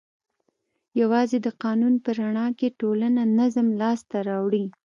یوازې د قانون په رڼا کې ټولنه نظم لاس ته راوړي.